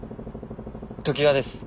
常盤です。